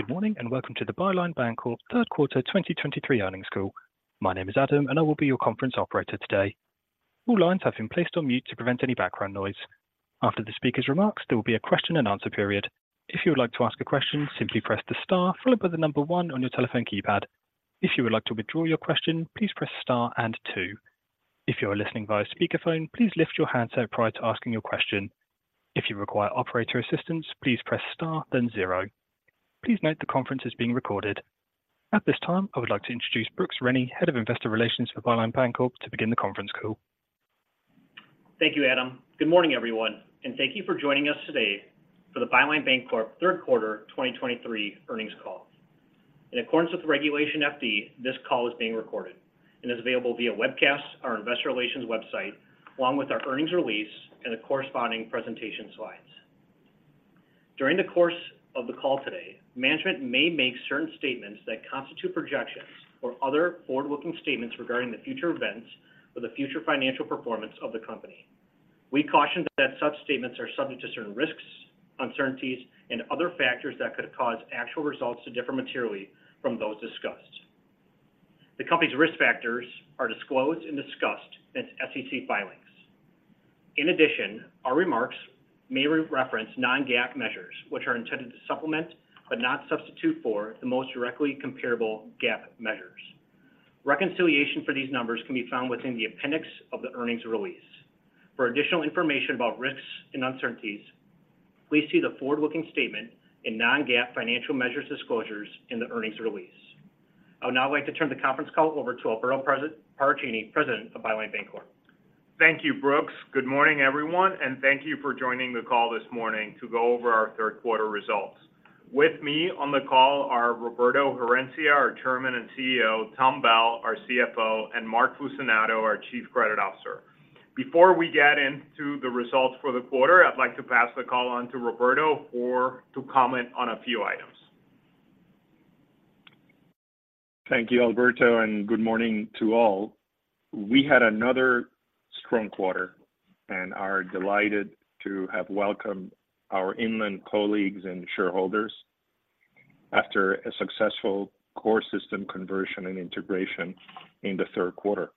Good morning, and welcome to the Byline Bancorp Third Quarter 2023 Earnings call. My name is Adam, and I will be your conference operator today. All lines have been placed on mute to prevent any background noise. After the speaker's remarks, there will be a question and answer period. If you would like to ask a question, simply press the star followed by the number one on your telephone keypad. If you would like to withdraw your question, please press star and two. If you are listening via speakerphone, please lift your handset prior to asking your question. If you require operator assistance, please press star, then zero. Please note the conference is being recorded. At this time, I would like to introduce Brooks Rennie, Head of Investor Relations for Byline Bancorp, to begin the conference call. Thank you, Adam. Good morning, everyone, and thank you for joining us today for the Byline Bancorp third quarter 2023 earnings call. In accordance with Regulation FD, this call is being recorded and is available via webcast on our investor relations website, along with our earnings release and the corresponding presentation slides. During the course of the call today, management may make certain statements that constitute projections or other forward-looking statements regarding the future events or the future financial performance of the company. We caution that such statements are subject to certain risks, uncertainties, and other factors that could cause actual results to differ materially from those discussed. The company's risk factors are disclosed and discussed in its SEC filings. In addition, our remarks may re-reference non-GAAP measures, which are intended to supplement, but not substitute for, the most directly comparable GAAP measures. Reconciliation for these numbers can be found within the appendix of the earnings release. For additional information about risks and uncertainties, please see the forward-looking statement in non-GAAP financial measures disclosures in the earnings release. I would now like to turn the conference call over to Alberto Paracchini, President of Byline Bancorp. Thank you, Brooks. Good morning, everyone, and thank you for joining the call this morning to go over our third quarter results. With me on the call are Roberto Herencia, our Chairman and CEO, Tom Bell, our CFO, and Mark Fucinato, our Chief Credit Officer. Before we get into the results for the quarter, I'd like to pass the call on to Roberto for to comment on a few items. Thank you, Alberto, and good morning to all. We had another strong quarter and are delighted to have welcomed our Inland colleagues and shareholders after a successful core system conversion and integration in the third quarter.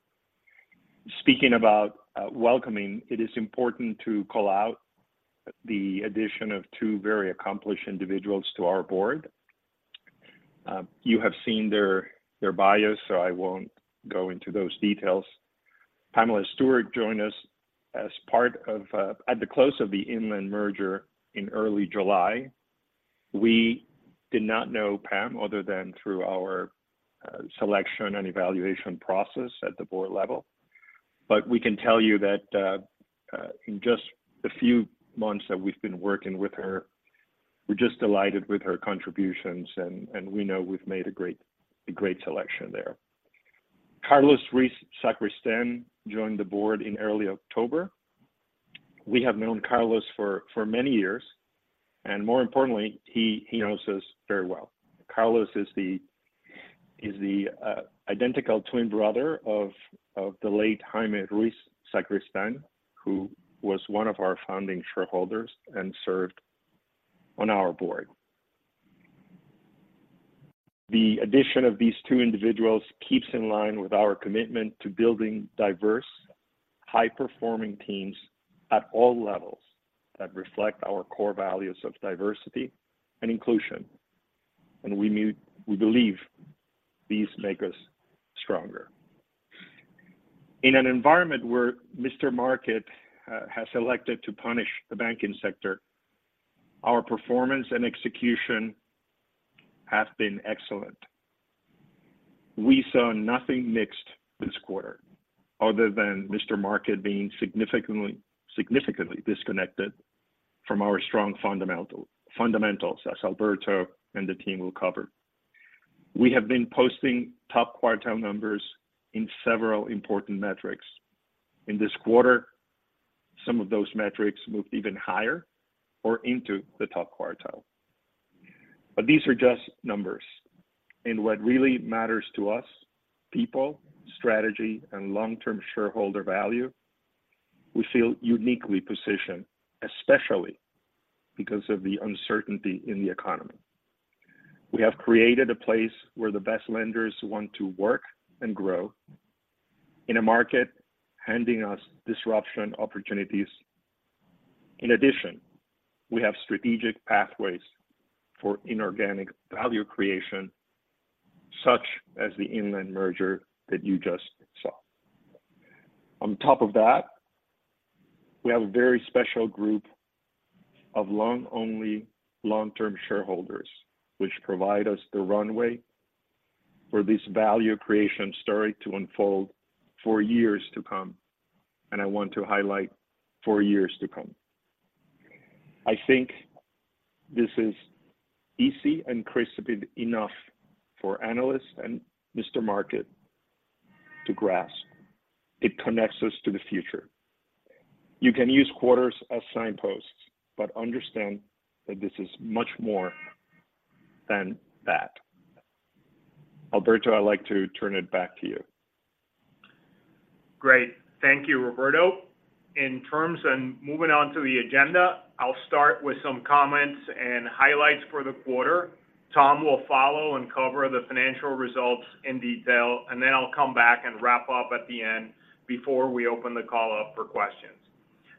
Speaking about welcoming, it is important to call out the addition of two very accomplished individuals to our board. You have seen their bios, so I won't go into those details. Pamela Stewart joined us as part of at the close of the Inland merger in early July. We did not know Pam other than through our selection and evaluation process at the board level. But we can tell you that in just the few months that we've been working with her, we're just delighted with her contributions, and we know we've made a great selection there. Carlos Ruiz Sacristán joined the board in early October. We have known Carlos for many years, and more importantly, he knows us very well. Carlos is the identical twin brother of the late Jaime Ruiz Sacristán, who was one of our founding shareholders and served on our board. The addition of these two individuals keeps in line with our commitment to building diverse, high-performing teams at all levels that reflect our core values of diversity and inclusion, and we believe these make us stronger. In an environment where Mr. Market has elected to punish the banking sector, our performance and execution have been excellent. We saw nothing mixed this quarter other than Mr. Market being significantly disconnected from our strong fundamentals, as Alberto and the team will cover. We have been posting top-quartile numbers in several important metrics. In this quarter, some of those metrics moved even higher or into the top quartile. But these are just numbers. In what really matters to us: people, strategy, and long-term shareholder value, we feel uniquely positioned, especially because of the uncertainty in the economy. We have created a place where the best lenders want to work and grow in a market, handing us disruption opportunities. In addition, we have strategic pathways for inorganic value creation, such as the Inland merger that you just saw. On top of that, we have a very special group of long-only long-term shareholders, which provide us the runway for this value creation story to unfold for years to come, and I want to highlight for years to come. I think this is easy and crisp enough for analysts and Mr. Market to grasp. It connects us to the future. You can use quarters as signposts, but understand that this is much more than that. Alberto, I'd like to turn it back to you.... Great. Thank you, Roberto. In terms and moving on to the agenda, I'll start with some comments and highlights for the quarter. Tom will follow and cover the financial results in detail, and then I'll come back and wrap up at the end before we open the call up for questions.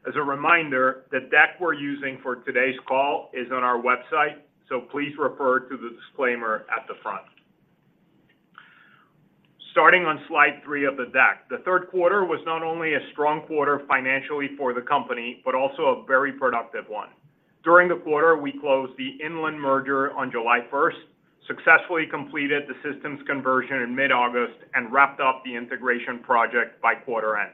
As a reminder, the deck we're using for today's call is on our website, so please refer to the disclaimer at the front. Starting on slide three of the deck. The third quarter was not only a strong quarter financially for the company, but also a very productive one. During the quarter, we closed the Inland merger on July first, successfully completed the systems conversion in mid-August, and wrapped up the integration project by quarter end.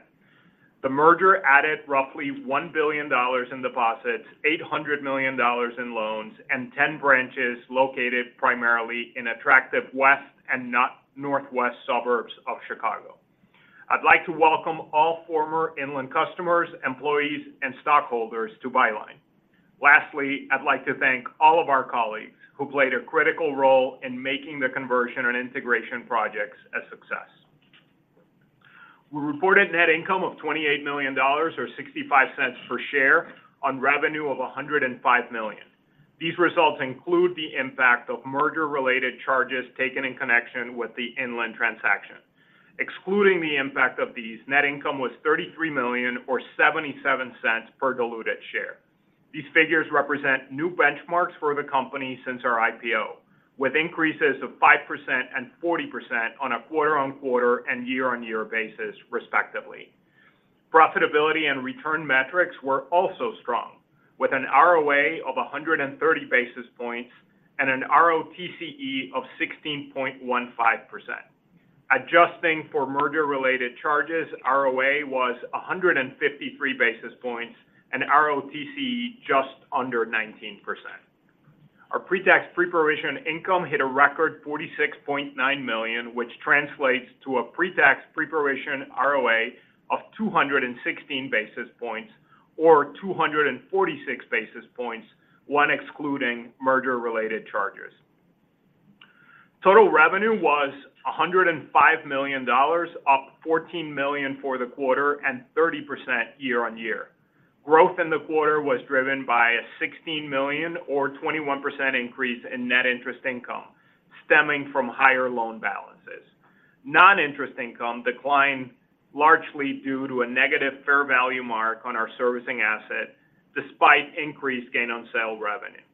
The merger added roughly $1 billion in deposits, $800 million in loans, and 10 branches located primarily in attractive west and not northwest suburbs of Chicago. I'd like to welcome all former Inland customers, employees, and stockholders to Byline. Lastly, I'd like to thank all of our colleagues who played a critical role in making the conversion and integration projects a success. We reported net income of $28 million, or $0.65 per share on revenue of $105 million. These results include the impact of merger-related charges taken in connection with the Inland transaction. Excluding the impact of these, net income was $33 million or $0.77 per diluted share. These figures represent new benchmarks for the company since our IPO, with increases of 5% and 40% on a quarter-on-quarter and year-on-year basis, respectively. Profitability and return metrics were also strong, with an ROA of 130 basis points and an ROTCE of 16.15%. Adjusting for merger-related charges, ROA was 153 basis points and ROTCE just under 19%. Our pre-provision income hit a record $46.9 million, which translates to a pre-provision ROA of 216 basis points or 246 basis points when excluding merger-related charges. Total revenue was $105 million, up $14 million for the quarter and 30% year-on-year. Growth in the quarter was driven by a $16 million or 21% increase in net interest income, stemming from higher loan balances. Non-interest income declined largely due to a negative fair value mark on our servicing asset, despite increased gain on sale revenue.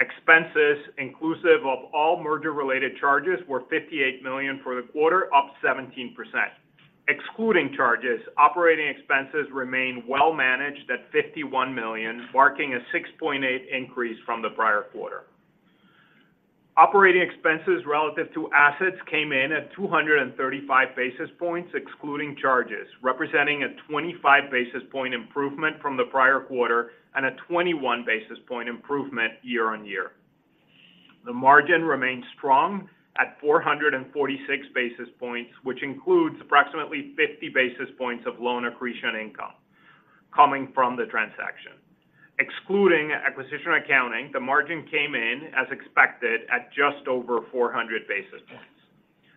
Expenses, inclusive of all merger-related charges, were $58 million for the quarter, up 17%. Excluding charges, operating expenses remain well managed at $51 million, marking a 6.8% increase from the prior quarter. Operating expenses relative to assets came in at 235 basis points, excluding charges, representing a 25 basis point improvement from the prior quarter and a 21 basis point improvement year-on-year. The margin remains strong at 446 basis points, which includes approximately 50 basis points of loan accretion income coming from the transaction. Excluding acquisition accounting, the margin came in as expected at just over 400 basis points.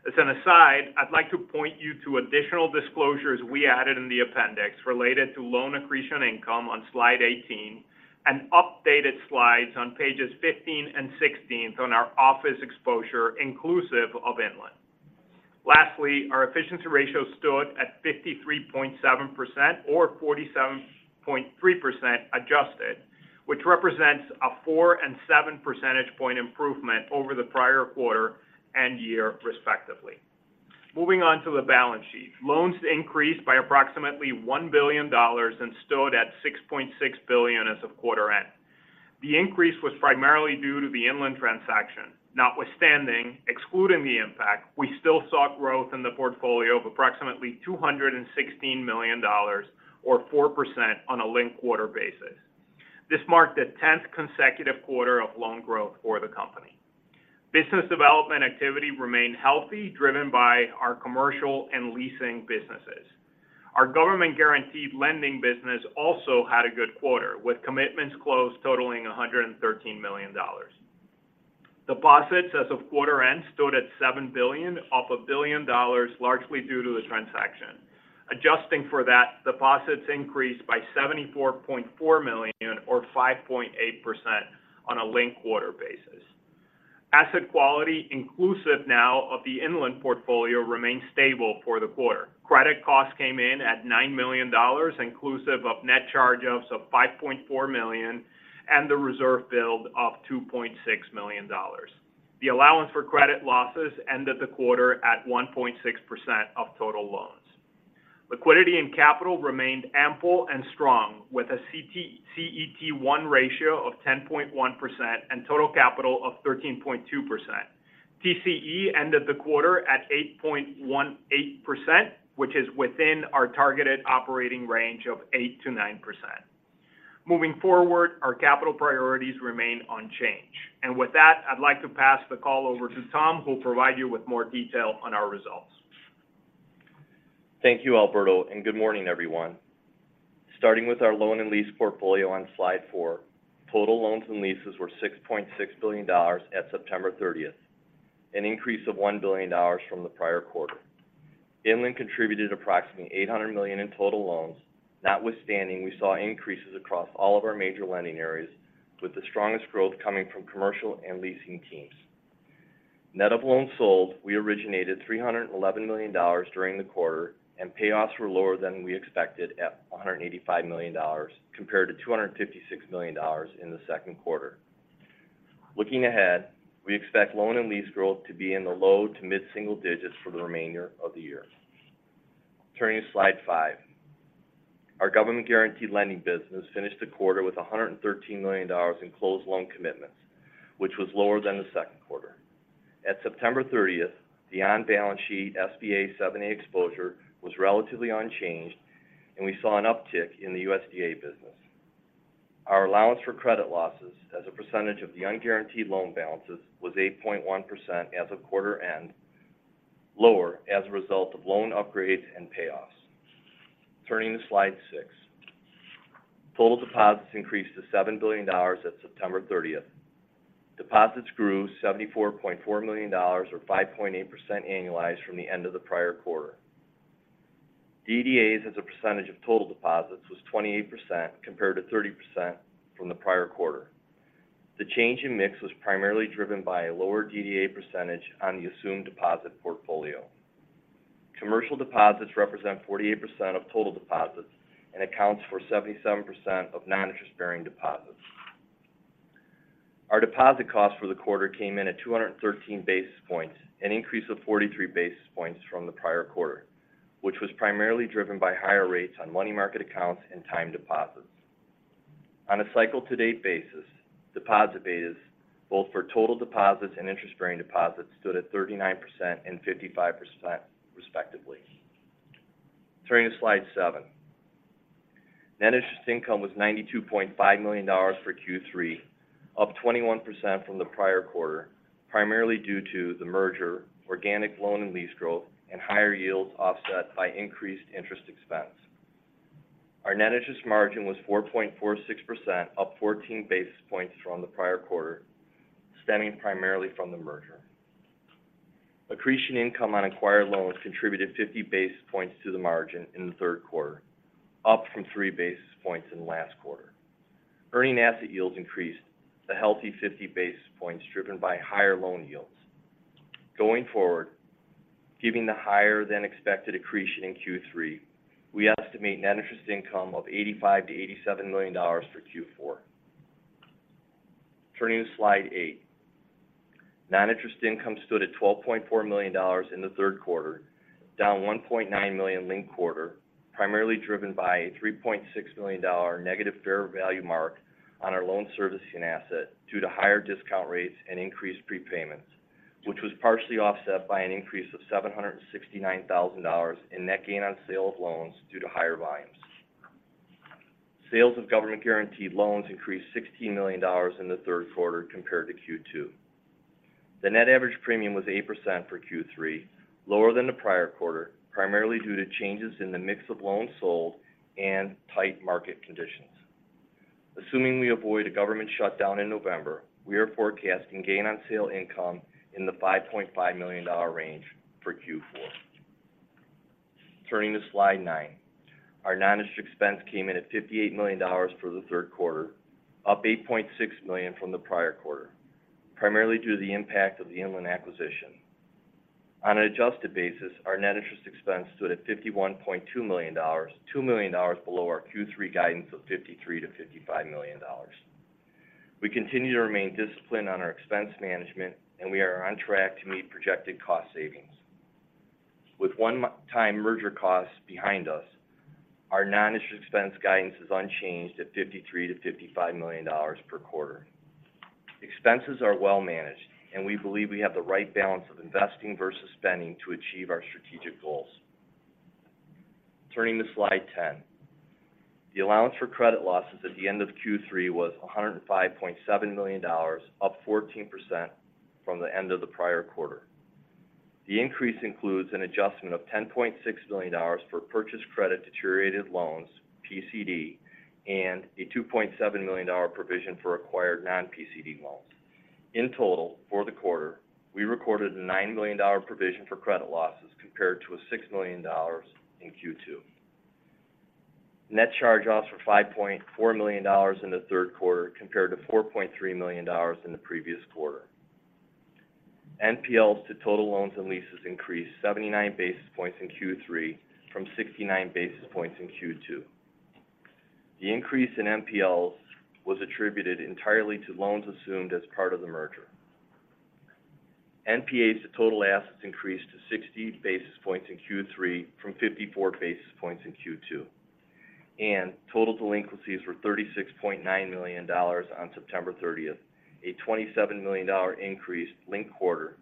As an aside, I'd like to point you to additional disclosures we added in the appendix related to loan accretion income on slide 18 and updated slides on pages 15 and 16 on our office exposure, inclusive of Inland. Lastly, our efficiency ratio stood at 53.7% or 47.3% adjusted, which represents a 4 and 7 percentage point improvement over the prior quarter and year, respectively. Moving on to the balance sheet. Loans increased by approximately $1 billion and stood at $6.6 billion as of quarter end. The increase was primarily due to the Inland transaction. Notwithstanding, excluding the impact, we still saw growth in the portfolio of approximately $216 million or 4% on a linked quarter basis. This marked the 10th consecutive quarter of loan growth for the company. Business development activity remained healthy, driven by our commercial and leasing businesses. Our government-guaranteed lending business also had a good quarter, with commitments closed totaling $113 million. Deposits as of quarter end stood at $7 billion, up $1 billion, largely due to the transaction. Adjusting for that, deposits increased by $74.4 million or 5.8% on a linked quarter basis. Asset quality, inclusive now of the Inland portfolio, remains stable for the quarter. Credit costs came in at $9 million, inclusive of net charge-offs of $5.4 million and the reserve build of $2.6 million. The allowance for credit losses ended the quarter at 1.6% of total loans. Liquidity and capital remained ample and strong, with a CET1 ratio of 10.1% and total capital of 13.2%. TCE ended the quarter at 8.18%, which is within our targeted operating range of 8%-9%. Moving forward, our capital priorities remain unchanged. With that, I'd like to pass the call over to Tom, who'll provide you with more detail on our results. Thank you, Alberto, and good morning, everyone. Starting with our loan and lease portfolio on slide slide, total loans and leases were $6.6 billion at September 30, an increase of $1 billion from the prior quarter. Inland contributed approximately $800 million in total loans. Notwithstanding, we saw increases across all of our major lending areas, with the strongest growth coming from commercial and leasing teams. Net of loans sold, we originated $311 million during the quarter, and payoffs were lower than we expected at $185 million, compared to $256 million in the second quarter. Looking ahead, we expect loan and lease growth to be in the low to mid single digits for the remainder of the year. Turning to slide slide. Our government guaranteed lending business finished the quarter with $113 million in closed loan commitments, which was lower than the second quarter. At September 30, the on-balance sheet SBA 7(a) exposure was relatively unchanged, and we saw an uptick in the USDA business. Our allowance for credit losses as a percentage of the unguaranteed loan balances was 8.1% as of quarter end, lower as a result of loan upgrades and payoffs. Turning to slide six. Total deposits increased to $7 billion at September 30. Deposits grew $74.4 million or 5.8% annualized from the end of the prior quarter. DDAs as a percentage of total deposits was 28%, compared to 30% from the prior quarter. The change in mix was primarily driven by a lower DDA percentage on the assumed deposit portfolio. Commercial deposits represent 48% of total deposits and accounts for 77% of non-interest-bearing deposits. Our deposit cost for the quarter came in at 213 basis points, an increase of 43 basis points from the prior quarter, which was primarily driven by higher rates on money market accounts and time deposits. On a cycle to date basis, deposit betas, both for total deposits and interest-bearing deposits, stood at 39% and 55% respectively. Turning to slide seven. Net interest income was $92.5 million for Q3, up 21% from the prior quarter, primarily due to the merger, organic loan and lease growth, and higher yields offset by increased interest expense. Our net interest margin was 4.46%, up 14 basis points from the prior quarter, stemming primarily from the merger. Accretion income on acquired loans contributed 50 basis points to the margin in the third quarter, up from three basis points in the last quarter. Earning asset yields increased to a healthy 50 basis points, driven by higher loan yields. Going forward, giving the higher-than-expected accretion in Q3, we estimate net interest income of $85-$87 million for Q4. Turning to slide eight. Non-interest income stood at $12.4 million in the third quarter, down $1.9 million linked quarter, primarily driven by a $3.6 million negative fair value mark on our loan servicing asset due to higher discount rates and increased prepayments, which was partially offset by an increase of $769,000 in net gain on sale of loans due to higher volumes. Sales of government-guaranteed loans increased $16 million in the third quarter compared to Q2. The net average premium was 8% for Q3, lower than the prior quarter, primarily due to changes in the mix of loans sold and tight market conditions. Assuming we avoid a government shutdown in November, we are forecasting gain on sale income in the $5.5 million range for Q4. Turning to slide nine. Our non-interest expense came in at $58 million for the third quarter, up $8.6 million from the prior quarter, primarily due to the impact of the Inland acquisition. On an adjusted basis, our net interest expense stood at $51.2 million, $2 million below our Q3 guidance of $53 million-$55 million. We continue to remain disciplined on our expense management, and we are on track to meet projected cost savings. With one-time merger costs behind us, our non-interest expense guidance is unchanged at $53 million-$55 million per quarter. Expenses are well managed, and we believe we have the right balance of investing versus spending to achieve our strategic goals. Turning to slide 10. The allowance for credit losses at the end of Q3 was $105.7 million, up 14% from the end of the prior quarter. The increase includes an adjustment of $10.6 million for purchased credit deteriorated loans, PCD, and a $2.7 million provision for acquired non-PCD loans. In total, for the quarter, we recorded a $9 million provision for credit losses, compared to $6 million in Q2. Net charge-offs were $5.4 million in the third quarter, compared to $4.3 million in the previous quarter. NPLs to total loans and leases increased 79 basis points in Q3 from 69 basis points in Q2. The increase in NPLs was attributed entirely to loans assumed as part of the merger. NPAs to total assets increased to 60 basis points in Q3 from 54 basis points in Q2, and total delinquencies were $36.9 million on September thirtieth, a $27 million increase linked quarter.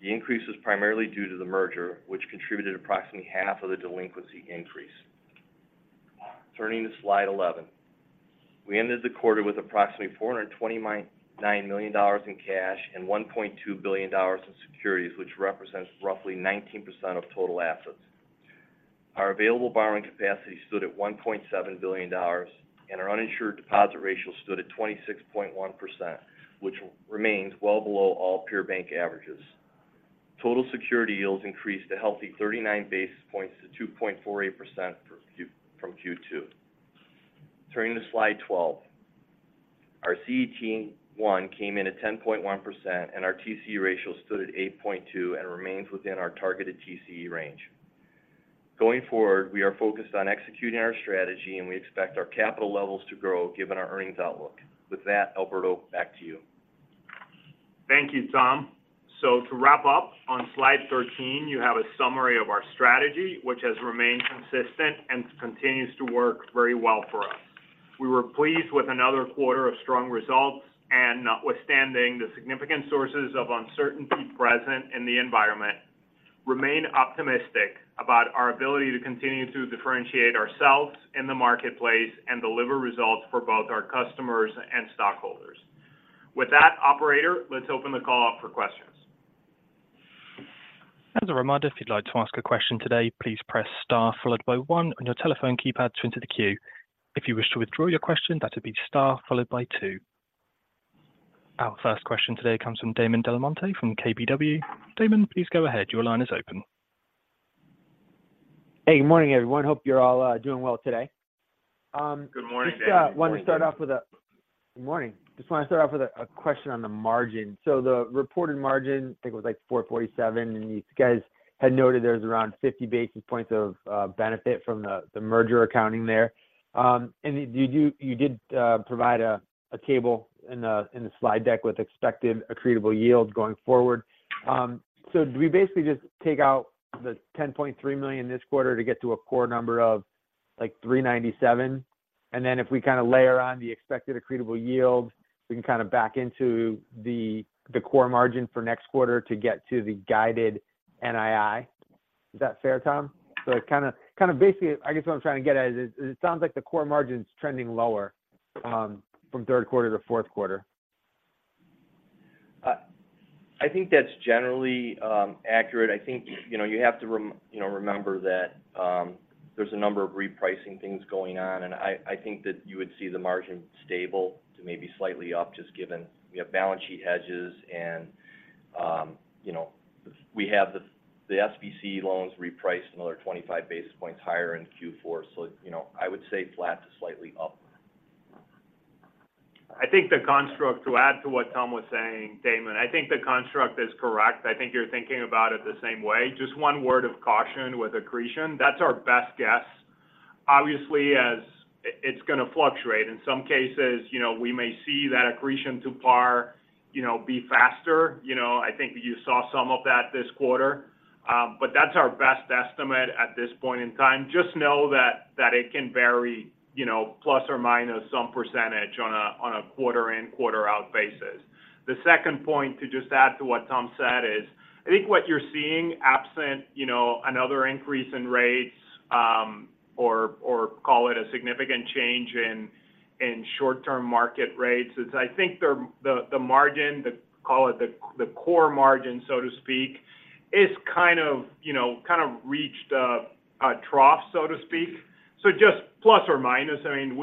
The increase was primarily due to the merger, which contributed approximately half of the delinquency increase. Turning to slide 11. We ended the quarter with approximately $429.9 million in cash and $1.2 billion in securities, which represents roughly 19% of total assets. Our available borrowing capacity stood at $1.7 billion, and our uninsured deposit ratio stood at 26.1%, which remains well below all peer bank averages. Total security yields increased a healthy 39 basis points to 2.48% for Q3 from Q2. Turning to slide 12. Our CET1 came in at 10.1%, and our TCE ratio stood at 8.2 and remains within our targeted TCE range. Going forward, we are focused on executing our strategy, and we expect our capital levels to grow given our earnings outlook. With that, Alberto, back to you. Thank you, Tom. So to wrap up, on slide 13, you have a summary of our strategy, which has remained consistent and continues to work very well for us. We were pleased with another quarter of strong results, and notwithstanding the significant sources of uncertainty present in the environment, remain optimistic about our ability to continue to differentiate ourselves in the marketplace and deliver results for both our customers and stockholders. With that, operator, let's open the call up for questions. As a reminder, if you'd like to ask a question today, please press star followed by one on your telephone keypad to enter the queue. If you wish to withdraw your question, that would be star followed by two. Our first question today comes from Damon Del Monte, from KBW. Damon, please go ahead. Your line is open. Hey, good morning, everyone. Hope you're all doing well today. Good morning, Damon. Good morning. Just want to start off with a question on the margin. So the reported margin, I think, was like 4.47, and you guys had noted there was around 50 basis points of benefit from the merger accounting there. And you did provide a table in the slide deck with expected accretable yields going forward. So do we basically just take out the $10.3 million this quarter to get to a core number of, like, 3.97? And then if we kind of layer on the expected accretable yield, we can kind of back into the core margin for next quarter to get to the guided NII. Is that fair, Tom? It kind of basically, I guess, what I'm trying to get at is, it sounds like the core margin is trending lower from third quarter to fourth quarter. I think that's generally accurate. I think, you know, you have to remember that, you know, there's a number of repricing things going on, and I think that you would see the margin stable to maybe slightly up, just given we have balance sheet hedges and, you know, we have the SBA loans repriced another 25 basis points higher in Q4. So, you know, I would say flat to slightly up. I think the construct, to add to what Tom was saying, Damon, I think the construct is correct. I think you're thinking about it the same way. Just one word of caution with accretion, that's our best guess. Obviously, it's going to fluctuate. In some cases, you know, we may see that accretion to par, you know, be faster. You know, I think you saw some of that this quarter, but that's our best estimate at this point in time. Just know that it can vary, you know, plus or minus some percentage on a quarter-in, quarter-out basis. The second point, to just add to what Tom said, is, I think what you're seeing, absent, you know, another increase in rates, or call it a significant change in short-term market rates, is I think the margin, call it the core margin, so to speak, is kind of, you know, kind of reached a trough, so to speak. So just plus or minus, I mean,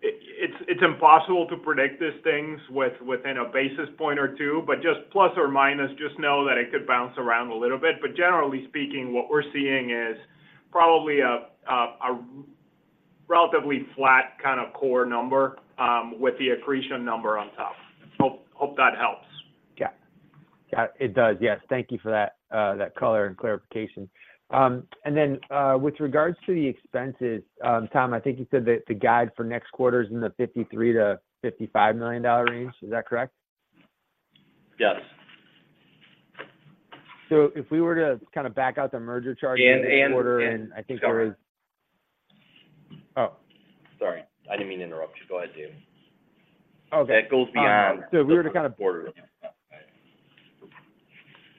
it's impossible to predict these things within a basis point or two, but just plus or minus, just know that it could bounce around a little bit. But generally speaking, what we're seeing is probably a relatively flat kind of core number, with the accretion number on top. Hope that helps. Yeah. Yeah, it does. Yes, thank you for that, that color and clarification. And then, with regards to the expenses, Tom, I think you said that the guide for next quarter is in the $53 million-$55 million range. Is that correct? Yes. If we were to kind of back out the merger charges- And, and- in this quarter, and I think there was Sorry. Oh. Sorry, I didn't mean to interrupt you. Go ahead, dude. Okay. That goes beyond- If we were to kind of- the fourth quarter.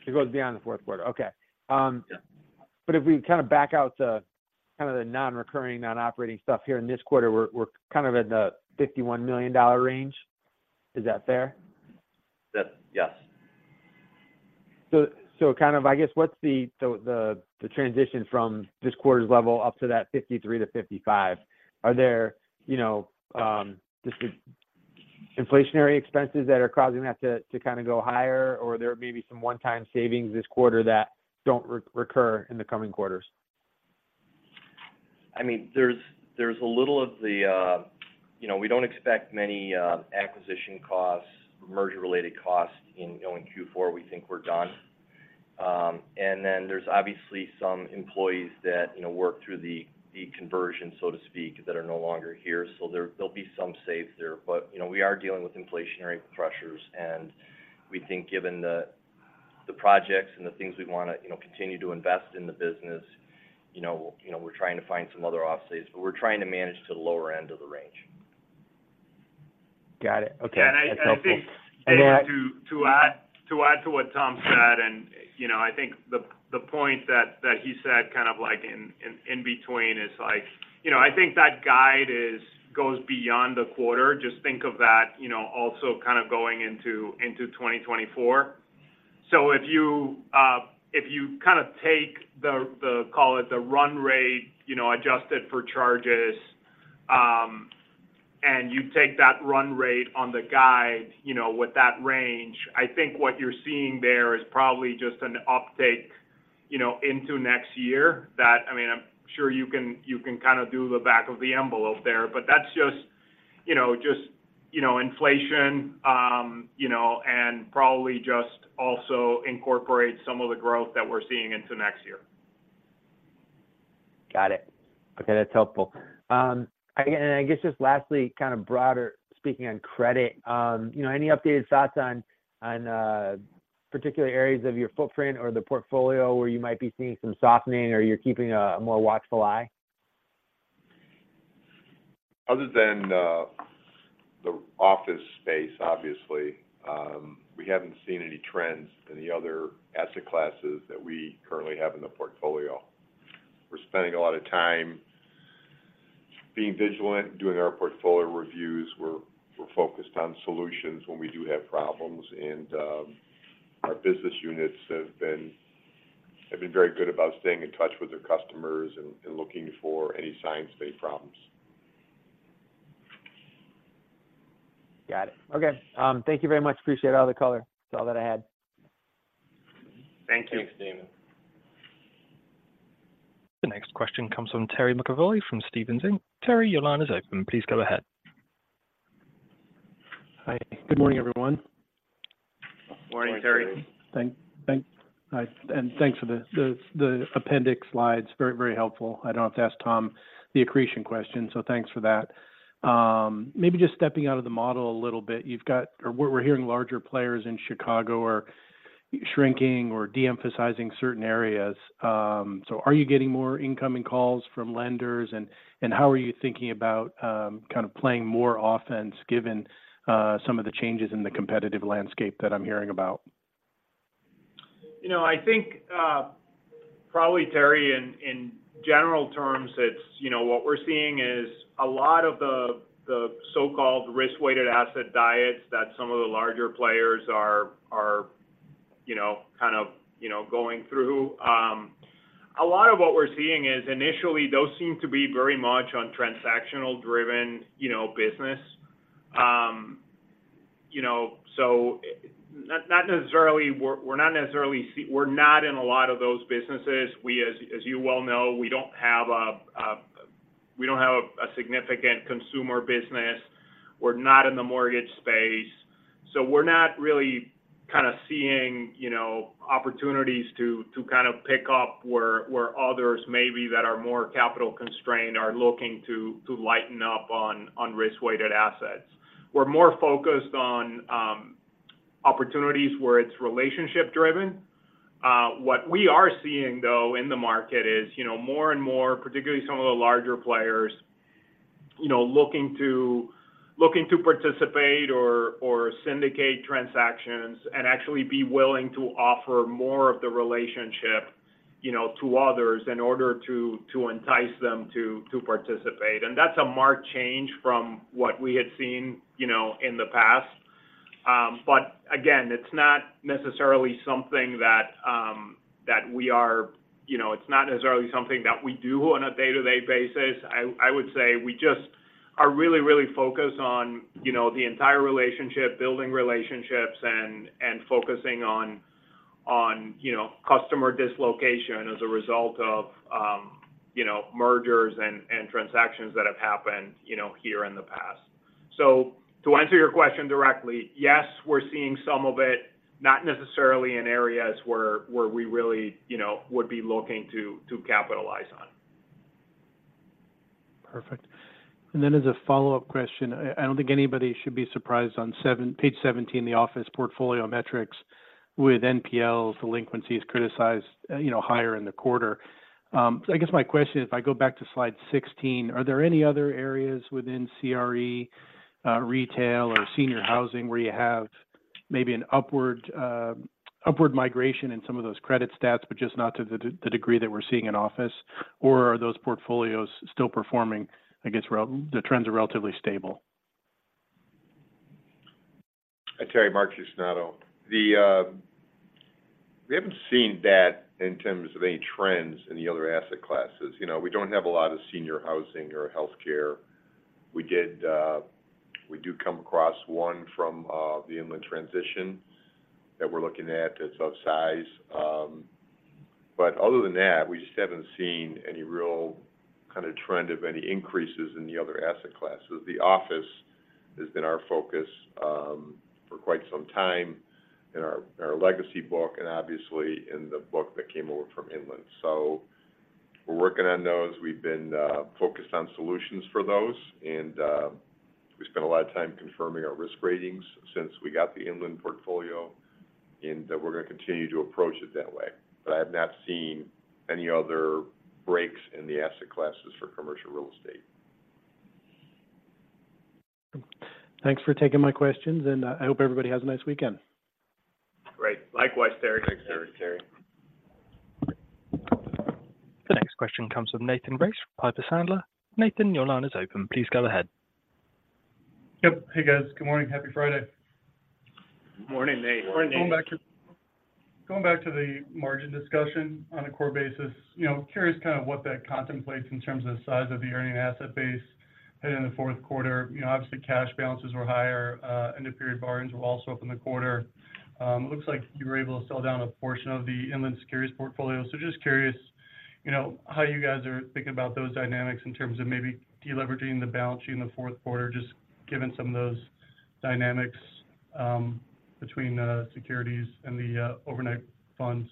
It goes beyond the fourth quarter. Okay. Yeah. But if we kind of back out the, kind of the non-recurring, non-operating stuff here in this quarter, we're kind of in the $51 million range. Is that fair? That's-- yes. So, kind of, I guess, what's the transition from this quarter's level up to that 53-55? Are there, you know, just inflationary expenses that are causing that to kind of go higher? Or there may be some one-time savings this quarter that don't recur in the coming quarters? I mean, there's a little of the. You know, we don't expect many acquisition costs, merger-related costs in, you know, Q4. We think we're done. And then there's obviously some employees that, you know, work through the conversion, so to speak, that are no longer here. So there'll be some saves there. But, you know, we are dealing with inflationary pressures, and we think given the projects and the things we want to, you know, continue to invest in the business, you know, you know, we're trying to find some other offsets, but we're trying to manage to the lower end of the range.... Got it. Okay, that's helpful. And I think- And then- To add to what Tom said, and, you know, I think the point that he said kind of like in between is like, you know, I think that guide goes beyond the quarter. Just think of that, you know, also kind of going into 2024. So if you kind of take the run rate, you know, adjusted for charges, and you take that run rate on the guide, you know, with that range, I think what you're seeing there is probably just an uptake, you know, into next year. That, I mean, I'm sure you can, you can kind of do the back of the envelope there, but that's just, you know, just, you know, inflation, you know, and probably just also incorporate some of the growth that we're seeing into next year. Got it. Okay, that's helpful. I guess, and I guess just lastly, kind of broader, speaking on credit, you know, any updated thoughts on particular areas of your footprint or the portfolio where you might be seeing some softening or you're keeping a more watchful eye? Other than the office space, obviously, we haven't seen any trends in the other asset classes that we currently have in the portfolio. We're spending a lot of time being vigilant, doing our portfolio reviews. We're focused on solutions when we do have problems, and our business units have been very good about staying in touch with their customers and looking for any signs of any problems. Got it. Okay. Thank you very much. Appreciate all the color. That's all that I had. Thank you. Thanks, Damon. The next question comes from Terry McEvoy from Stephens Inc. Terry, your line is open. Please go ahead. Hi. Good morning, everyone. Morning, Terry. Morning. Hi, and thanks for the appendix slides. Very, very helpful. I don't have to ask Tom the accretion question, so thanks for that. Maybe just stepping out of the model a little bit, or we're hearing larger players in Chicago are shrinking or de-emphasizing certain areas. So are you getting more incoming calls from lenders? And how are you thinking about kind of playing more offense, given some of the changes in the competitive landscape that I'm hearing about? You know, I think probably, Terry, in general terms, it's you know, what we're seeing is a lot of the so-called risk-weighted asset diets that some of the larger players are you know kind of going through. A lot of what we're seeing is initially, those seem to be very much on transactional-driven you know business. You know, so not necessarily. We're not necessarily. We're not in a lot of those businesses. We, as you well know, we don't have a significant consumer business. We're not in the mortgage space, so we're not really kind of seeing you know opportunities to kind of pick up where others maybe that are more capital-constrained are looking to lighten up on risk-weighted assets. We're more focused on opportunities where it's relationship-driven. What we are seeing, though, in the market is, you know, more and more, particularly some of the larger players, you know, looking to, looking to participate or, or syndicate transactions and actually be willing to offer more of the relationship, you know, to others in order to, to entice them to, to participate. And that's a marked change from what we had seen, you know, in the past. But again, it's not necessarily something that, that we are, you know, it's not necessarily something that we do on a day-to-day basis. I, I would say we just are really, really focused on, you know, the entire relationship, building relationships, and, and focusing on, on, you know, customer dislocation as a result of, you know, mergers and, and transactions that have happened, you know, here in the past. To answer your question directly, yes, we're seeing some of it, not necessarily in areas where we really, you know, would be looking to capitalize on. Perfect. Then as a follow-up question, I don't think anybody should be surprised on page 17, the office portfolio metrics with NPL delinquencies criticized, you know, higher in the quarter. So I guess my question is, if I go back to slide 16, are there any other areas within CRE, retail or senior housing, where you have maybe an upward migration in some of those credit stats, but just not to the degree that we're seeing in office? Or are those portfolios still performing, I guess, the trends are relatively stable? Terry, Mark Fucinato. We haven't seen that in terms of any trends in the other asset classes. You know, we don't have a lot of senior housing or healthcare. We do come across one from the Inland transition that we're looking at that's of size. But other than that, we just haven't seen any real kind of trend of any increases in the other asset classes. The office has been our focus for quite some time in our legacy book and obviously in the book that came over from Inland. So we're working on those. We've been focused on solutions for those, and we spent a lot of time confirming our risk ratings since we got the Inland portfolio.... in that we're going to continue to approach it that way. But I have not seen any other breaks in the asset classes for commercial real estate. Thanks for taking my questions, and I hope everybody has a nice weekend. Great. Likewise, Terry. Thanks, Terry. The next question comes from Nathan Race, Piper Sandler. Nathan, your line is open. Please go ahead. Yep. Hey, guys. Good morning. Happy Friday. Morning, Nate. Morning, Nate. Going back to the margin discussion on a core basis, you know, curious kind of what that contemplates in terms of the size of the earning asset base heading in the fourth quarter. You know, obviously, cash balances were higher. End-of-period borrowings were also up in the quarter. It looks like you were able to sell down a portion of the Inland securities portfolio. So just curious, you know, how you guys are thinking about those dynamics in terms of maybe deleveraging the balance sheet in the fourth quarter, just given some of those dynamics between the securities and the overnight funds.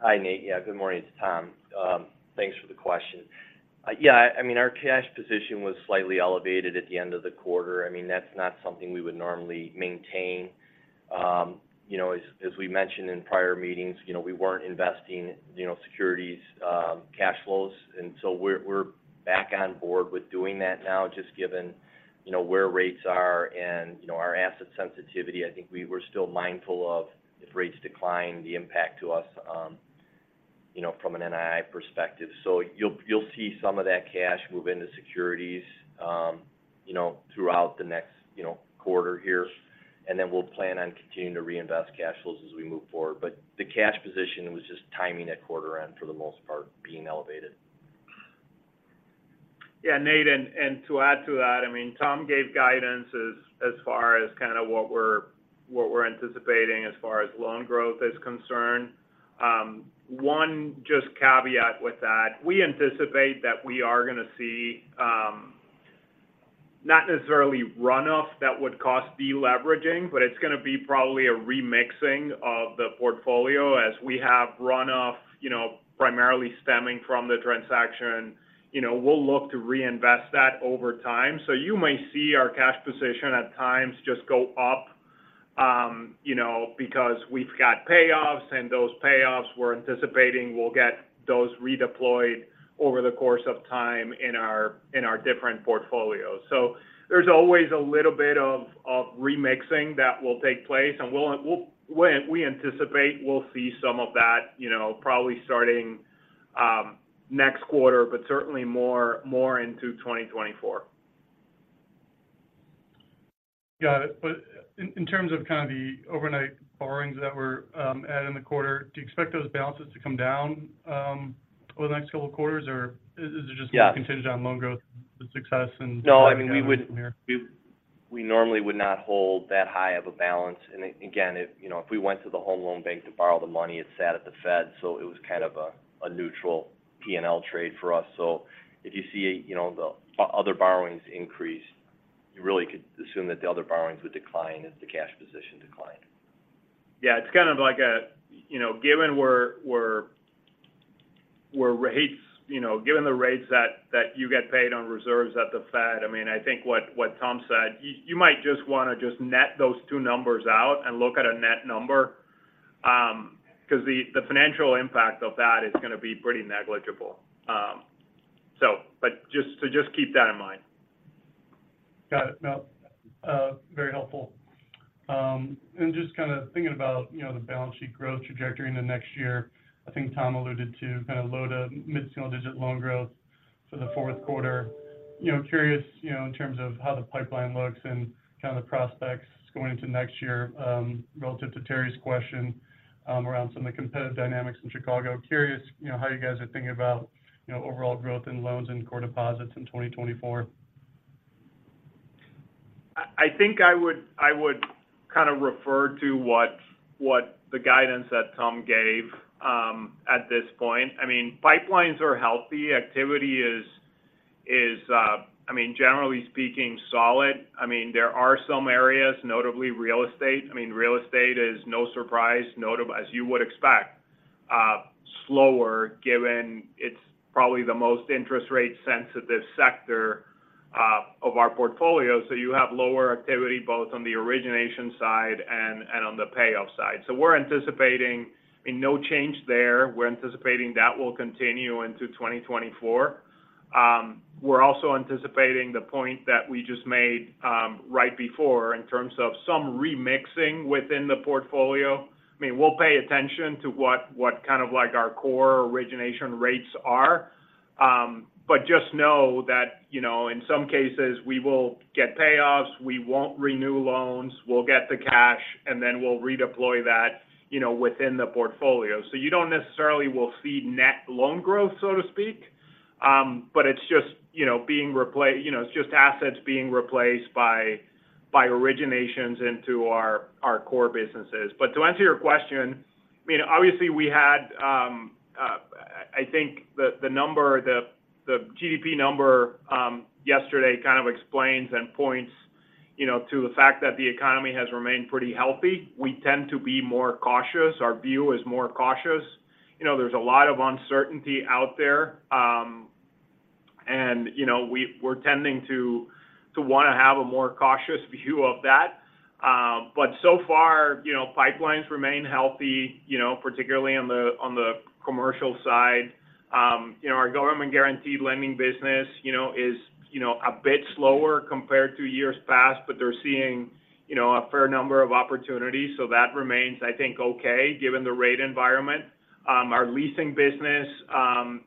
Hi, Nate. Yeah, good morning. It's Tom. Thanks for the question. Yeah, I mean, our cash position was slightly elevated at the end of the quarter. I mean, that's not something we would normally maintain. You know, as we mentioned in prior meetings, you know, we weren't investing securities cash flows, and so we're back on board with doing that now, just given, you know, where rates are and, you know, our asset sensitivity. I think we were still mindful of, if rates decline, the impact to us, you know, from an NII perspective. So you'll see some of that cash move into securities, you know, throughout the next quarter here, and then we'll plan on continuing to reinvest cash flows as we move forward. The cash position was just timing at quarter end, for the most part, being elevated. Yeah, Nate, and to add to that, I mean, Tom gave guidance as far as kinda what we're anticipating as far as loan growth is concerned. One just caveat with that, we anticipate that we are going to see not necessarily runoff that would cause deleveraging, but it's going to be probably a remixing of the portfolio. As we have runoff, you know, primarily stemming from the transaction, you know, we'll look to reinvest that over time. So you may see our cash position at times just go up, you know, because we've got payoffs, and those payoffs, we're anticipating we'll get those redeployed over the course of time in our different portfolios. So there's always a little bit of remixing that will take place, and we anticipate we'll see some of that, you know, probably starting next quarter, but certainly more into 2024. Got it. But in terms of kind of the overnight borrowings that were added in the quarter, do you expect those balances to come down over the next couple of quarters? Or is it just- Yeah... contingent on loan growth success and- No, I mean, we would- Yeah. We normally would not hold that high of a balance. And again, if you know, if we went to the Home Loan Bank to borrow the money, it sat at the Fed, so it was kind of a neutral P&L trade for us. So if you see, you know, the other borrowings increase, you really could assume that the other borrowings would decline as the cash position declined. Yeah, it's kind of like a, you know, given the rates that you get paid on reserves at the Fed. I mean, I think what Tom said, you might just want to net those two numbers out and look at a net number, so but just keep that in mind. Got it. Well, very helpful. And just kind of thinking about, you know, the balance sheet growth trajectory in the next year, I think Tom alluded to kind of low to mid-single-digit loan growth for the fourth quarter. You know, curious, you know, in terms of how the pipeline looks and kind of the prospects going into next year, relative to Terry's question, around some of the competitive dynamics in Chicago. Curious, you know, how you guys are thinking about, you know, overall growth in loans and core deposits in 2024. I think I would kind of refer to what the guidance that Tom gave at this point. I mean, pipelines are healthy. Activity is I mean, generally speaking, solid. I mean, there are some areas, notably real estate. I mean, real estate is no surprise, notable-- as you would expect, slower, given it's probably the most interest rate-sensitive sector of our portfolio. So you have lower activity, both on the origination side and on the payoff side. So we're anticipating no change there. We're anticipating that will continue into 2024. We're also anticipating the point that we just made right before in terms of some remixing within the portfolio. I mean, we'll pay attention to what kind of like our core origination rates are. But just know that, you know, in some cases, we will get payoffs, we won't renew loans, we'll get the cash, and then we'll redeploy that, you know, within the portfolio. So you don't necessarily will see net loan growth, so to speak, but it's just, you know, being replaced. You know, it's just assets being replaced by, by originations into our, our core businesses. But to answer your question, I mean, obviously, we had, I think the, the number, the, the GDP number, yesterday kind of explains and points, you know, to the fact that the economy has remained pretty healthy. We tend to be more cautious. Our view is more cautious. You know, there's a lot of uncertainty out there. And, you know, we're tending to, to wanna have a more cautious view of that. But so far, you know, pipelines remain healthy, you know, particularly on the commercial side. You know, our government-guaranteed lending business, you know, is, you know, a bit slower compared to years past, but they're seeing, you know, a fair number of opportunities. So that remains, I think, okay, given the rate environment. Our leasing business,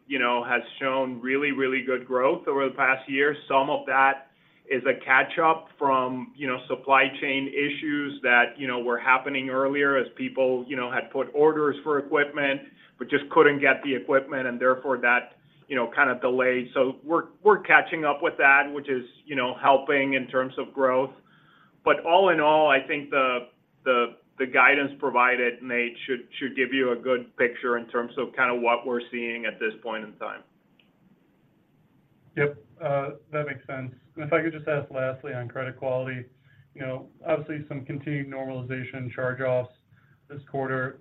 you know, has shown really, really good growth over the past year. Some of that is a catch-up from, you know, supply chain issues that, you know, were happening earlier as people, you know, had put orders for equipment, but just couldn't get the equipment, and therefore that, you know, kind of delayed. So we're catching up with that, which is, you know, helping in terms of growth. All in all, I think the guidance provided, Nate, should give you a good picture in terms of kinda what we're seeing at this point in time. Yep, that makes sense. If I could just ask lastly, on credit quality, you know, obviously, some continued normalization in charge-offs this quarter.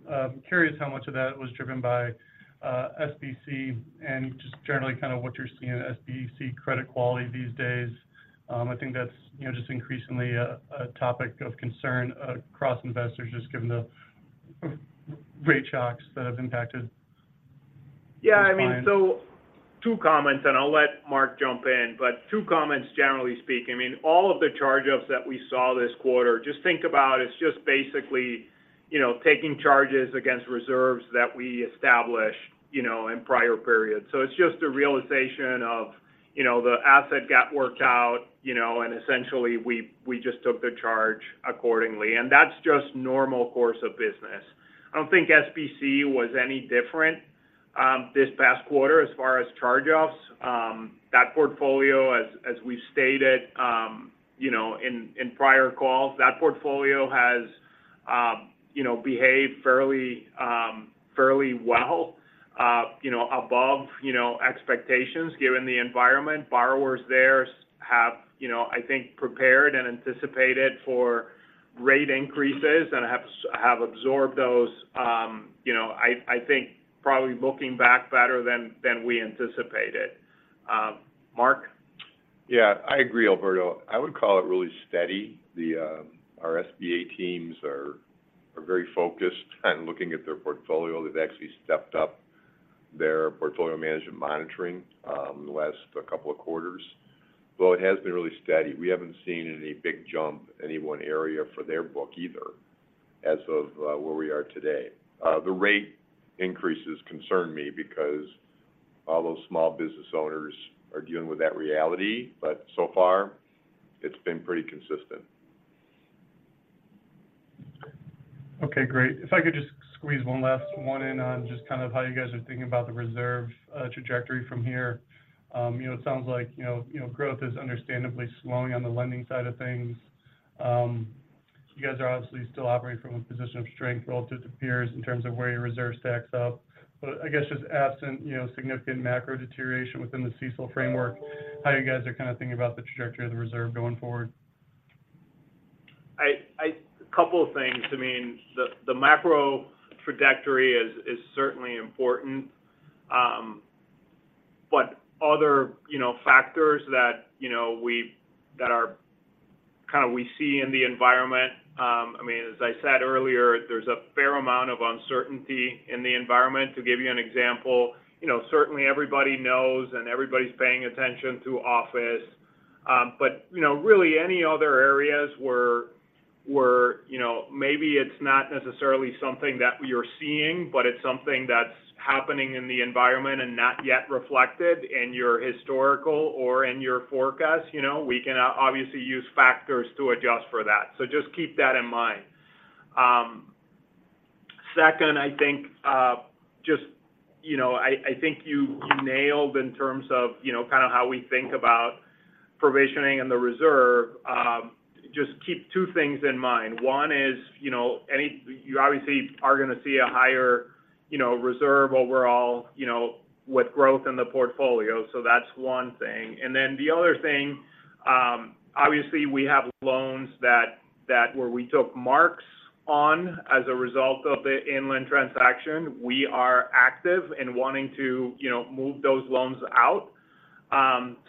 Curious how much of that was driven by, SBC and just generally kind of what you're seeing in SBC credit quality these days. I think that's, you know, just increasingly a topic of concern across investors, just given the rate shocks that have impacted- Yeah, I mean- these clients... so two comments, and I'll let Mark jump in. But two comments, generally speaking. I mean, all of the charge-offs that we saw this quarter, just think about, it's just basically, you know, taking charges against reserves that we established, you know, in prior periods. So it's just a realization of, you know, the asset got worked out, you know, and essentially, we, we just took the charge accordingly. And that's just normal course of business. I don't think SBC was any different, this past quarter as far as charge-offs. That portfolio, as, as we've stated, you know, in, in prior calls, that portfolio has, you know, behaved fairly, fairly well, you know, above, you know, expectations. Given the environment, borrowers there have, you know, I think, prepared and anticipated for rate increases and have absorbed those, you know, I think probably looking back better than we anticipated. Mark? Yeah, I agree, Alberto. I would call it really steady. Our SBA teams are very focused on looking at their portfolio. They've actually stepped up their portfolio management monitoring, the last couple of quarters, so it has been really steady. We haven't seen any big jump, any one area for their book either, as of where we are today. The rate increases concern me because all those small business owners are dealing with that reality, but so far, it's been pretty consistent. Okay, great. If I could just squeeze one last one in on just kind of how you guys are thinking about the reserve trajectory from here. You know, it sounds like, you know, you know, growth is understandably slowing on the lending side of things. You guys are obviously still operating from a position of strength relative to peers in terms of where your reserve stacks up. But I guess just absent, you know, significant macro deterioration within the CECL framework, how you guys are kinda thinking about the trajectory of the reserve going forward? A couple of things. I mean, the macro trajectory is certainly important. But other, you know, factors that, you know, we see in the environment, I mean, as I said earlier, there's a fair amount of uncertainty in the environment. To give you an example, you know, certainly everybody knows, and everybody's paying attention to office. But, you know, really any other areas where, you know, maybe it's not necessarily something that we are seeing, but it's something that's happening in the environment and not yet reflected in your historical or in your forecast, you know, we can obviously use factors to adjust for that. So just keep that in mind. Second, I think, just, you know, I think you nailed in terms of, you know, kind of how we think about provisioning and the reserve. Just keep two things in mind. One is, you know, you obviously are gonna see a higher, you know, reserve overall, you know, with growth in the portfolio. So that's one thing. And then the other thing, obviously, we have loans where we took marks on as a result of the Inland transaction. We are active in wanting to, you know, move those loans out.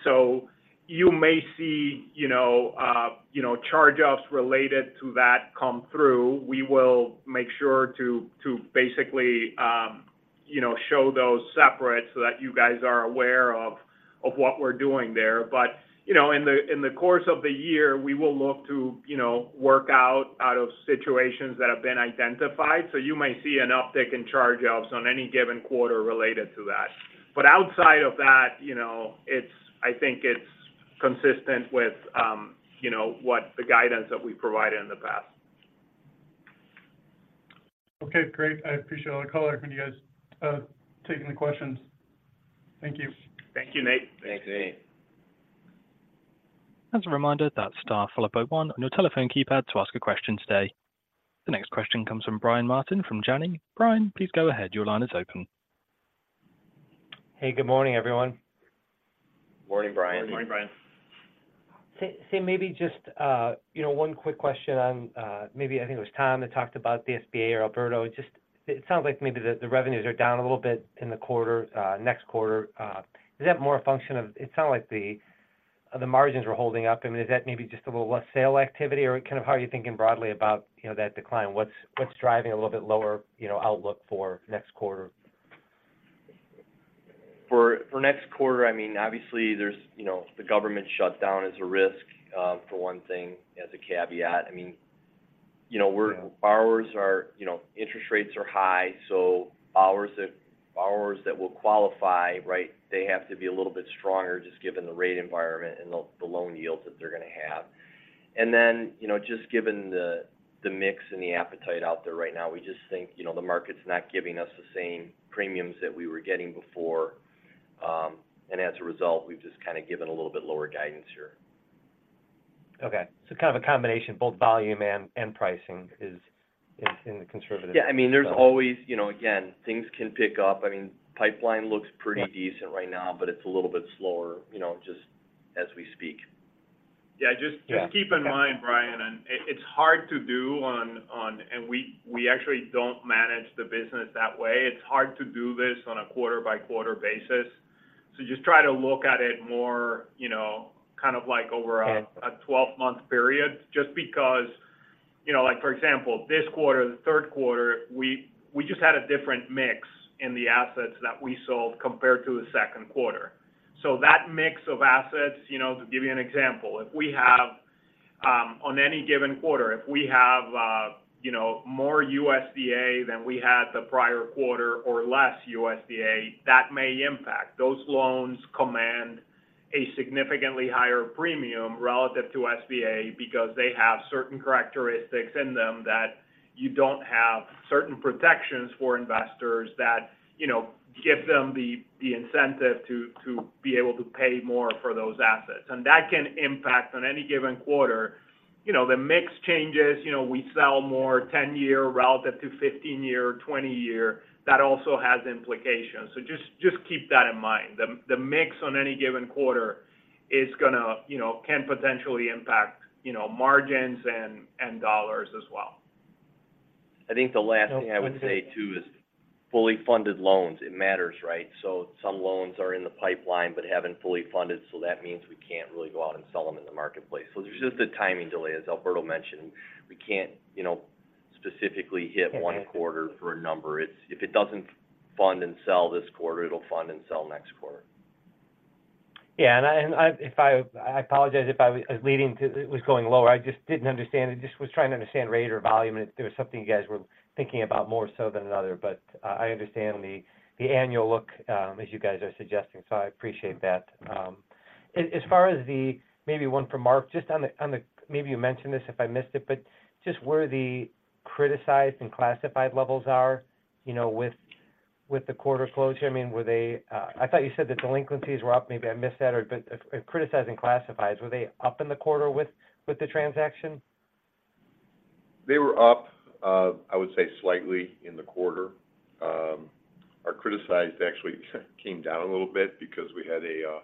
So you may see, you know, you know, charge-offs related to that come through. We will make sure to basically, you know, show those separate so that you guys are aware of what we're doing there. But, you know, in the course of the year, we will look to, you know, work out of situations that have been identified. So you may see an uptick in charge-offs on any given quarter related to that. But outside of that, you know, it's - I think it's consistent with, you know, what the guidance that we've provided in the past. Okay, great. I appreciate all the color from you guys, taking the questions. Thank you. Thank you, Nate. Thanks, Nate. As a reminder, that's star followed by one on your telephone keypad to ask a question today. The next question comes from Brian Martin, from Janney. Brian, please go ahead. Your line is open. Hey, good morning, everyone. Morning, Brian. Morning, Brian. ... So maybe just, you know, one quick question on, maybe I think it was Tom that talked about the SBA or Alberto. Just, it sounds like maybe the revenues are down a little bit in the quarter, next quarter. Is that more a function of- it sounded like the margins were holding up. I mean, is that maybe just a little less sale activity, or kind of how are you thinking broadly about, you know, that decline? What's driving a little bit lower, you know, outlook for next quarter? For next quarter, I mean, obviously, there's, you know, the government shutdown is a risk for one thing, as a caveat. I mean, you know, borrowers are... You know, interest rates are high, so borrowers that will qualify, right, they have to be a little bit stronger, just given the rate environment and the loan yields that they're going to have. And then, you know, just given the mix and the appetite out there right now, we just think, you know, the market's not giving us the same premiums that we were getting before. And as a result, we've just kind of given a little bit lower guidance here. Okay. So kind of a combination, both volume and pricing is in the conservative- Yeah, I mean, there's always- You know, again, things can pick up. I mean, pipeline looks pretty- Yeah ...decent right now, but it's a little bit slower, you know, just as we speak. Yeah, just- Yeah. Just keep in mind, Brian, it's hard to do on one hand, and we actually don't manage the business that way. It's hard to do this on a quarter-by-quarter basis. So just try to look at it more, you know, kind of like over a- Yeah... a 12-month period. Just because, you know, like, for example, this quarter, the third quarter, we, we just had a different mix in the assets that we sold compared to the second quarter. So that mix of assets, you know, to give you an example, if we have. On any given quarter, if we have, you know, more USDA than we had the prior quarter or less USDA, that may impact. Those loans command a significantly higher premium relative to SBA because they have certain characteristics in them that you don't have certain protections for investors that, you know, give them the, the incentive to, to be able to pay more for those assets. And that can impact on any given quarter. You know, the mix changes. You know, we sell more 10-year relative to 15-year, 20-year. That also has implications, so just keep that in mind. The mix on any given quarter is gonna, you know, can potentially impact, you know, margins and dollars as well. I think the last thing I would say, too, is fully funded loans. It matters, right? So some loans are in the pipeline but haven't fully funded, so that means we can't really go out and sell them in the marketplace. So there's just a timing delay, as Alberto mentioned. We can't, you know, specifically hit- Yeah ...one quarter for a number. It's if it doesn't fund and sell this quarter, it'll fund and sell next quarter. Yeah, if I apologize if I was leading to it was going lower. I just didn't understand. I just was trying to understand rate or volume, and if there was something you guys were thinking about more so than another. But, I understand the, the annual look, as you guys are suggesting, so I appreciate that. As far as the maybe one for Mark, just on the. Maybe you mentioned this, if I missed it, but just where the criticized and classified levels are, you know, with the quarter closure. I mean, were they I thought you said the delinquencies were up. Maybe I missed that or but criticized and classified, were they up in the quarter with the transaction? They were up, I would say slightly in the quarter. Our criticized actually came down a little bit because we had a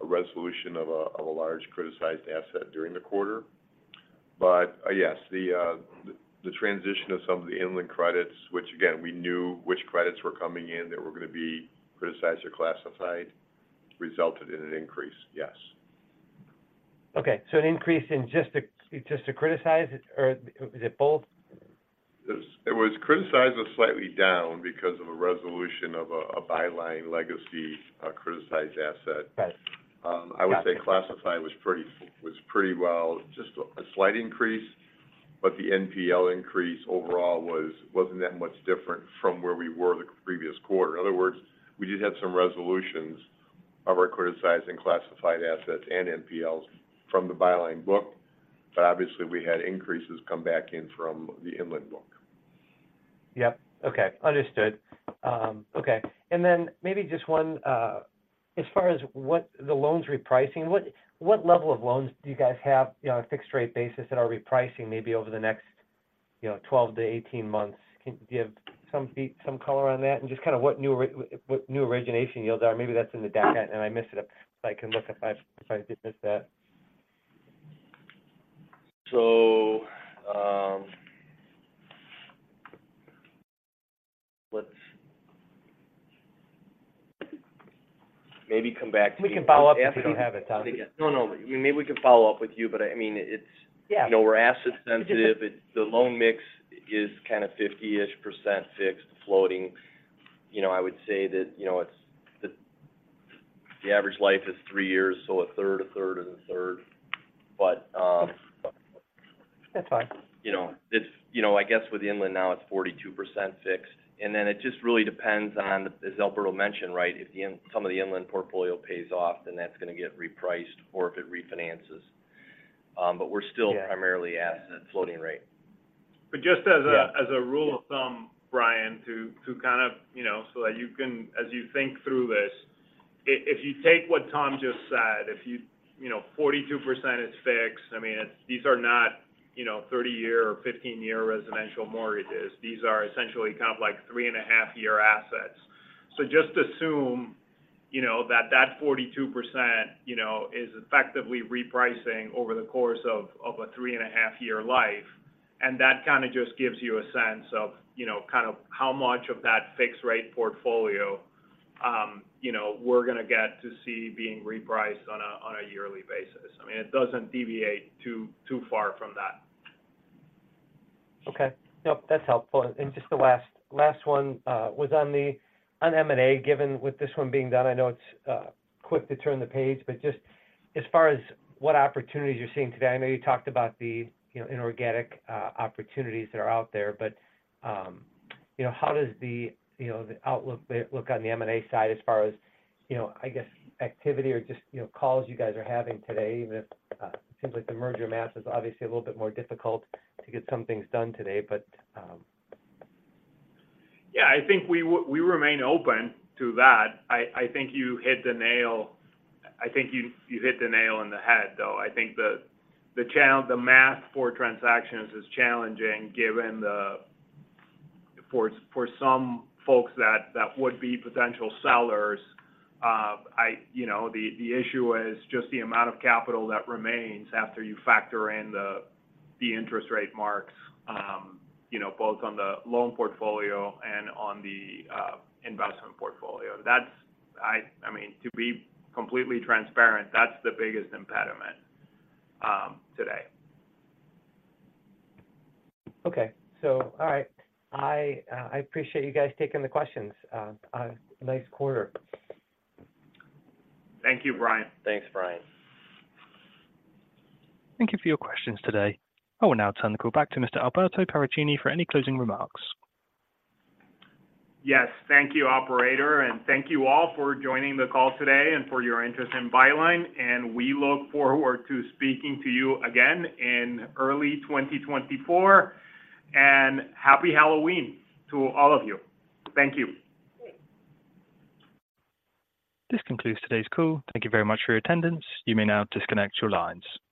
resolution of a large criticized asset during the quarter. But yes, the transition of some of the Inland credits, which again, we knew which credits were coming in that were going to be criticized or classified, resulted in an increase. Yes. Okay. So an increase in just the, just the criticized, or is it both? Criticized was slightly down because of a resolution of a Byline legacy, a criticized asset. Right. Yeah. I would say classified was pretty well, just a slight increase, but the NPL increase overall wasn't that much different from where we were the previous quarter. In other words, we did have some resolutions of our criticized and classified assets and NPLs from the Byline book, but obviously, we had increases come back in from the Inland book. Yep. Okay, understood. Okay, and then maybe just one. As far as the loans repricing, what level of loans do you guys have on a fixed-rate basis that are repricing maybe over the next, you know, 12-18 months? Can you give some color on that, and just kind of what new origination yields are? Maybe that's in the deck, and I missed it. But I can look if I did miss that. Let's maybe come back to- We can follow up if you don't have it, Tom. No, no. Maybe we can follow up with you, but I mean, it's- Yeah. You know, we're asset sensitive. Yeah. The loan mix is kind of 50-ish% fixed, floating. You know, I would say that, you know, it's the average life is three years, so a third, a third, and a third. But That's fine. You know, it's, you know, I guess with Inland now, it's 42% fixed, and then it just really depends on, as Alberto mentioned, right? If some of the Inland portfolio pays off, then that's going to get repriced or if it refinances. But we're still- Yeah... primarily asset floating rate. But just as a- Yeah... as a rule of thumb, Brian, to kind of, you know, so that you can, as you think through this, if you take what Tom just said, if you know, 42% is fixed. I mean, it's these are not, you know, 30-year or 15-year residential mortgages. These are essentially kind of like 3.5-year assets. So just assume, you know, that that 42%, you know, is effectively repricing over the course of a 3.5-year life. And that kind of just gives you a sense of, you know, kind of how much of that fixed-rate portfolio, you know, we're going to get to see being repriced on a yearly basis. I mean, it doesn't deviate too far from that. Okay. Nope, that's helpful. And just the last one was on M&A, given with this one being done, I know it's quick to turn the page, but just as far as what opportunities you're seeing today, I know you talked about the, you know, inorganic opportunities that are out there, but you know, how does, you know, the outlook look on the M&A side as far as, you know, I guess, activity or just, you know, calls you guys are having today, even if it seems like the merger math is obviously a little bit more difficult to get some things done today, but. Yeah, I think we remain open to that. I think you hit the nail on the head, though. I think the challenge, the math for transactions is challenging given, for some folks that would be potential sellers, you know, the issue is just the amount of capital that remains after you factor in the interest rate marks, you know, both on the loan portfolio and on the investment portfolio. That's, I mean, to be completely transparent, that's the biggest impediment today. Okay. So all right. I, I appreciate you guys taking the questions. Nice quarter. Thank you, Brian. Thanks, Brian. Thank you for your questions today. I will now turn the call back to Mr. Alberto Paracchini for any closing remarks. Yes. Thank you, operator, and thank you all for joining the call today and for your interest in Byline, and we look forward to speaking to you again in early 2024. Happy Halloween to all of you. Thank you. This concludes today's call. Thank you very much for your attendance. You may now disconnect your lines.